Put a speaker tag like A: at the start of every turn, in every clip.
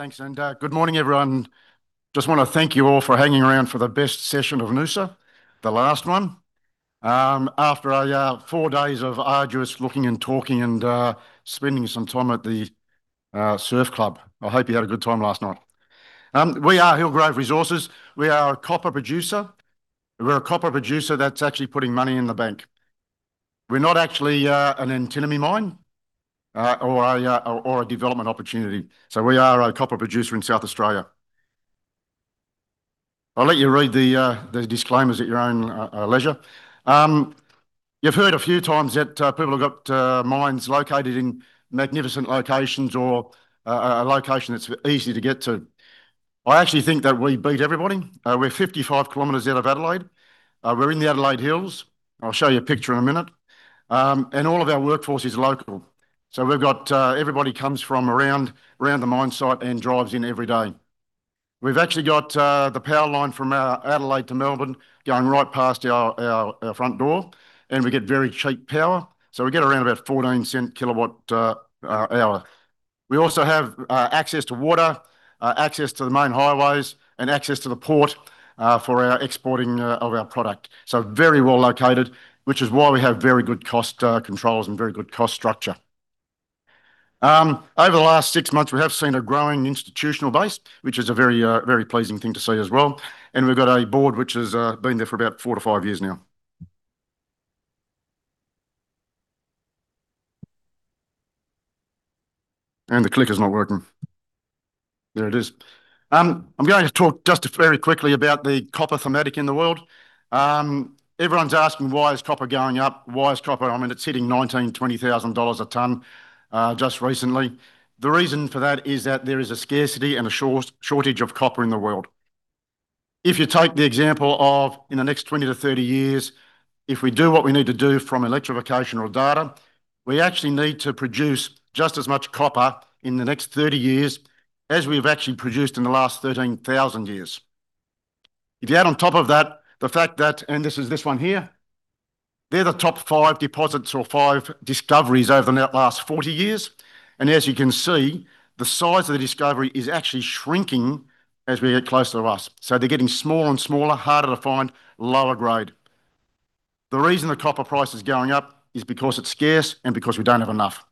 A: Thanks, good morning, everyone. Just want to thank you all for hanging around for the best session of Noosa, the last one. After four days of arduous looking and talking and spending some time at the surf club. I hope you had a good time last night. We are Hillgrove Resources. We are a copper producer. We're a copper producer that's actually putting money in the bank. We're not actually an antimony mine or a development opportunity. We are a copper producer in South Australia. I'll let you read the disclaimers at your own leisure. You've heard a few times that people have got mines located in magnificent locations or a location that's easy to get to. I actually think that we beat everybody. We're 55 km out of Adelaide. We're in the Adelaide Hills. I'll show you a picture in a minute. All of our workforce is local. Everybody comes from around the mine site and drives in every day. We've actually got the power line from Adelaide to Melbourne going right past our front door, we get very cheap power. We get around about 0.14 per kilowatt hour. We also have access to water, access to the main highways, access to the port for our exporting of our product. Very well-located, which is why we have very good cost controls and very good cost structure. Over the last 6 months, we have seen a growing institutional base, which is a very pleasing thing to see as well. We've got a board which has been there for about 4 to 5 years now. The clicker's not working. There it is. I'm going to talk just very quickly about the copper thematic in the world. Everyone's asking, why is copper going up? Why is copper, it's hitting 19,000-20,000 dollars a tonne just recently. The reason for that is that there is a scarcity and a shortage of copper in the world. If you take the example of in the next 20-30 years, if we do what we need to do from electrification or data, we actually need to produce just as much copper in the next 30 years as we've actually produced in the last 13,000 years. If you add on top of that, the fact that, this is this one here, they're the top five deposits or five discoveries over the last 40 years. As you can see, the size of the discovery is actually shrinking as we get closer to us. They're getting smaller and smaller, harder to find, lower grade. The reason the copper price is going up is because it's scarce and because we don't have enough.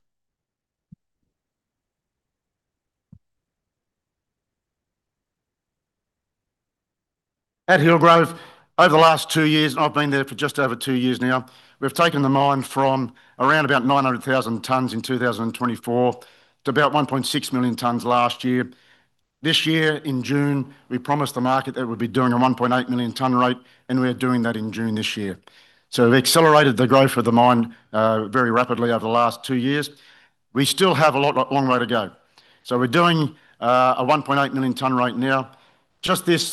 A: At Hillgrove, over the last two years, I've been there for just over two years now, we've taken the mine from around about 900,000 tonnes in 2024 to about 1.6 million tonnes last year. This year, in June, we promised the market that we'd be doing a 1.8 million tonne rate, we are doing that in June this year. We've accelerated the growth of the mine very rapidly over the last two years. We still have a long way to go. We're doing a 1.8 million tonne rate now. Just this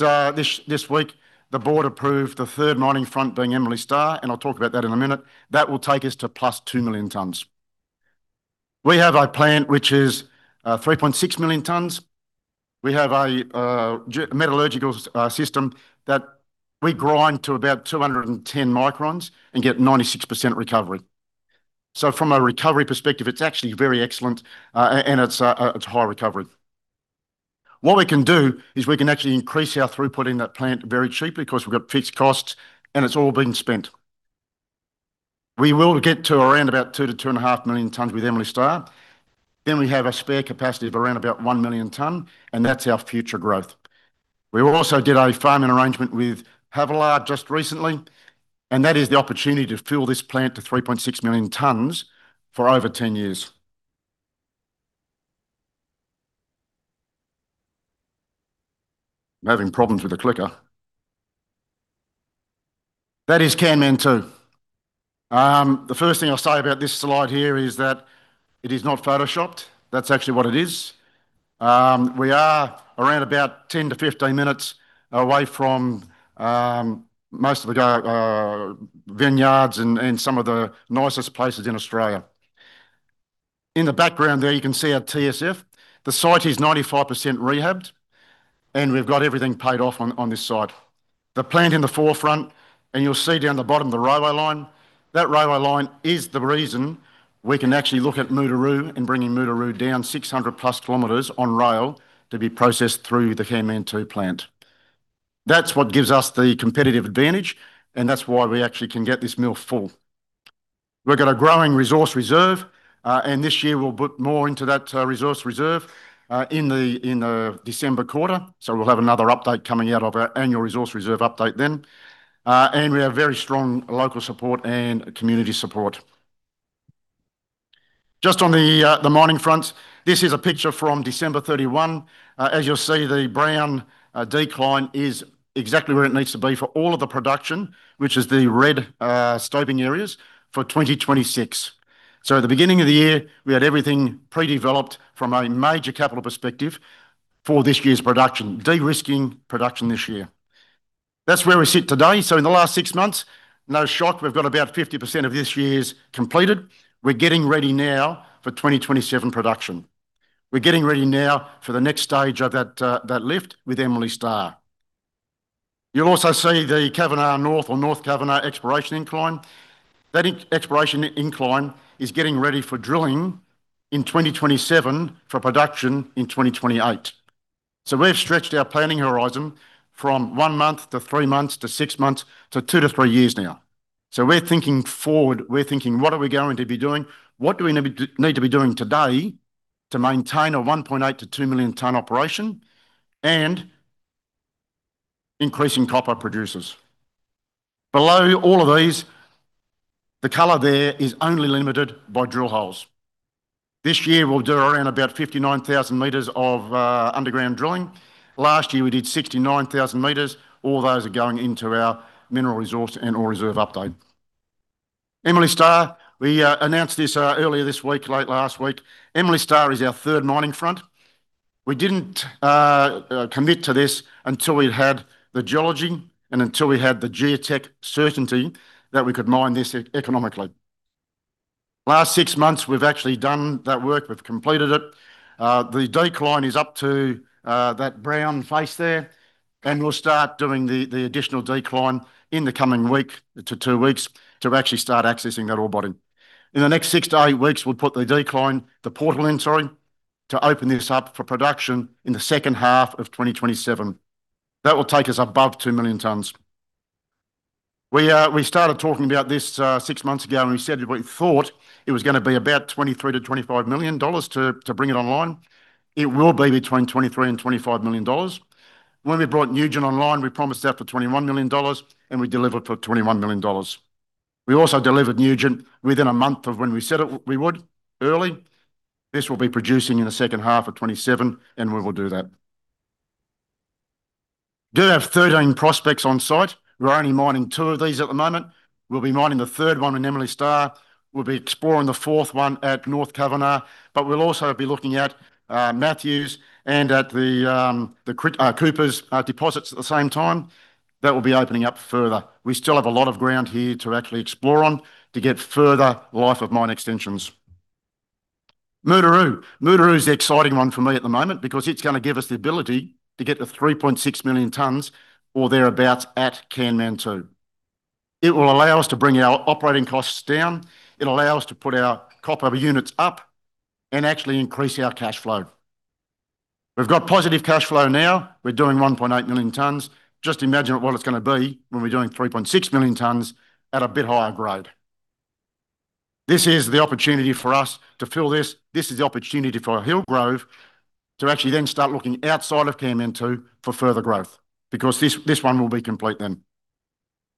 A: week, the board approved the third mining front being Emily Star, I'll talk about that in a minute. That will take us to +2 million tonnes. We have a plant which is 3.6 million tonnes. We have a metallurgical system that we grind to about 210 microns and get 96% recovery. From a recovery perspective, it's actually very excellent and it's high recovery. What we can do is we can actually increase our throughput in that plant very cheaply because we've got fixed costs and it's all been spent. We will get to around about 2 million-2.5 million tonnes with Emily Star. We have a spare capacity of around about 1 million tonnes, and that's our future growth. We also did a farm-in arrangement with Havilah just recently, and that is the opportunity to fill this plant to 3.6 million tonnes for over 10 years. I'm having problems with the clicker. That is Kanmantoo. The first thing I'll say about this slide here is that it is not photoshopped. That's actually what it is. We are around about 10-15 minutes away from most of the vineyards and some of the nicest places in Australia. In the background there, you can see our TSF. The site is 95% rehabbed, and we've got everything paid off on this site. The plant in the forefront, and you'll see down the bottom, the railway line. That railway line is the reason we can actually look at Mutooroo and bringing Mutooroo down 600+ km on rail to be processed through the Kanmantoo plant. That's what gives us the competitive advantage, and that's why we actually can get this mill full. We've got a growing resource reserve, and this year we'll put more into that resource reserve in the December quarter. We'll have another update coming out of our annual resource reserve update then. We have very strong local support and community support. Just on the mining front, this is a picture from December 31. As you'll see, the brown decline is exactly where it needs to be for all of the production, which is the red stoping areas, for 2026. At the beginning of the year, we had everything pre-developed from a major capital perspective for this year's production, de-risking production this year. That's where we sit today. In the last six months, no shock, we've got about 50% of this year's completed. We're getting ready now for 2027 production. We're getting ready now for the next stage of that lift with Emily Star. You'll also see the Kavanagh North or North Kavanagh exploration incline. That exploration incline is getting ready for drilling in 2027 for production in 2028. We've stretched our planning horizon from one month to three months to six months to two to three years now. We're thinking forward. We're thinking, "What are we going to be doing? What do we need to be doing today to maintain a 1.8 million-2 million tonne operation and increasing copper producers?" Below all of these, the color there is only limited by drill holes. This year, we'll do around about 59,000 m of underground drilling. Last year, we did 69,000 m. All those are going into our mineral resource and ore reserve update. Emily Star. We announced this earlier this week, late last week. Emily Star is our third mining front. We didn't commit to this until we'd had the geology and until we had the geotech certainty that we could mine this economically. Last six months, we've actually done that work. We've completed it. The decline is up to that brown face there. We'll start doing the additional decline in the coming week to two weeks to actually start accessing that ore body. In the next six to eight weeks, we'll put the decline, the portal in, sorry, to open this up for production in the second half of 2027. That will take us above 2 million tons. We started talking about this six months ago, and we said we thought it was going to be about 23 million-25 million dollars to bring it online. It will be between 23 million and 25 million dollars. When we brought Nugent online, we promised that for 21 million dollars, and we delivered for 21 million dollars. We also delivered Nugent within a month of when we said we would, early. This will be producing in the second half of 2027, and we will do that. We do have 13 prospects on site. We're only mining two of these at the moment. We'll be mining the third one in Emily Star. We'll be exploring the fourth one at North Kavanagh, but we'll also be looking at Matthews and at the Coopers deposits at the same time. That will be opening up further. We still have a lot of ground here to actually explore on to get further life of mine extensions. Mutooroo. Mutooroo is the exciting one for me at the moment because it's going to give us the ability to get to 3.6 million tons or thereabouts at Kanmantoo. It will allow us to bring our operating costs down, it'll allow us to put our copper units up and actually increase our cash flow. We've got positive cash flow now. We're doing 1.8 million tons. Just imagine what it's going to be when we're doing 3.6 million tons at a bit higher grade. This is the opportunity for us to fill this. This is the opportunity for Hillgrove to actually then start looking outside of Kanmantoo for further growth, because this one will be complete then.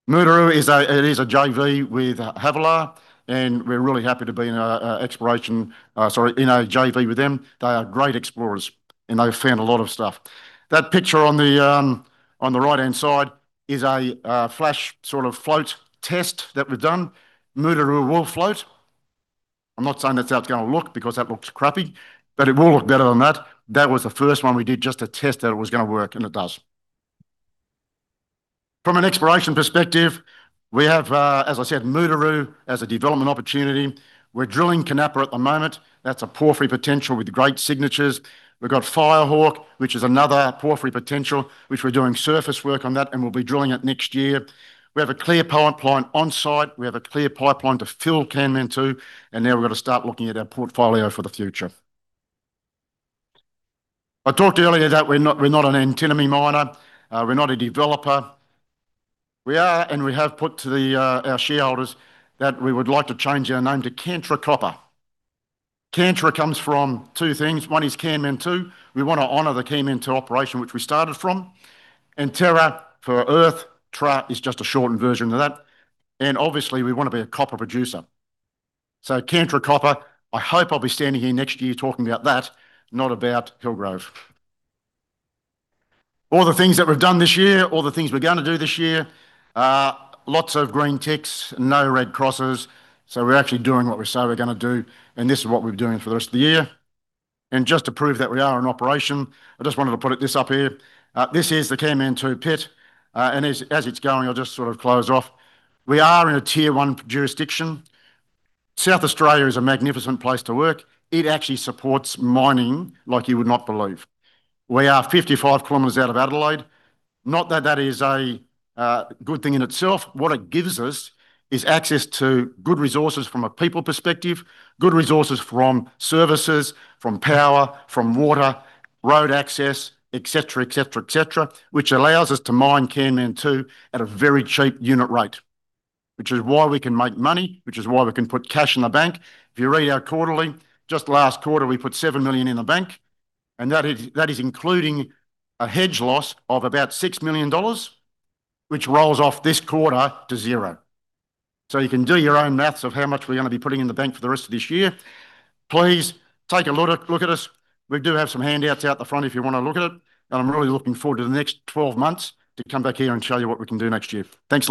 A: Mutooroo is a JV with Havilah, and we're really happy to be Sorry, in a JV with them. They are great explorers, and they've found a lot of stuff. That picture on the right-hand side is a flash flotation test that we've done. Mutooroo will float. I'm not saying that's how it's going to look because that looks crappy, but it will look better than that. That was the first one we did just to test that it was going to work, and it does. From an exploration perspective, we have, as I said, Mutooroo as a development opportunity. We're drilling Kanappa at the moment. That's a porphyry potential with great signatures. We've got Firehawk, which is another porphyry potential, which we're doing surface work on that, and we'll be drilling it next year. We have a clear pipeline onsite. We have a clear pipeline to fill Kanmantoo, now we've got to start looking at our portfolio for the future. I talked earlier that we're not an antimony miner. We're not a developer. We are and we have put to our shareholders that we would like to change our name to Kantra Copper. Kantra comes from two things. One is Kanmantoo. We want to honor the Kanmantoo operation, which we started from. Terra for Earth. Tra is just a shortened version of that. Obviously, we want to be a copper producer. Kantra Copper, I hope I'll be standing here next year talking about that, not about Hillgrove. All the things that we've done this year, all the things we're going to do this year, lots of green ticks, no red crosses. We're actually doing what we say we're going to do, and this is what we're doing for the rest of the year. Just to prove that we are in operation, I just wanted to put this up here. This is the Kanmantoo pit. As it's going, I'll just sort of close off. We are in a Tier-1 jurisdiction. South Australia is a magnificent place to work. It actually supports mining like you would not believe. We are 55 km out of Adelaide. Not that that is a good thing in itself. What it gives us is access to good resources from a people perspective, good resources from services, from power, from water, road access, et cetera, et cetera, et cetera, which allows us to mine Kanmantoo at a very cheap unit rate, which is why we can make money, which is why we can put cash in the bank. If you read our quarterly, just last quarter, we put 7 million in the bank, and that is including a hedge loss of about 6 million dollars, which rolls off this quarter to zero. You can do your own maths of how much we're going to be putting in the bank for the rest of this year. Please take a look at us. We do have some handouts out the front if you want to look at it, and I'm really looking forward to the next 12 months to come back here and show you what we can do next year. Thanks.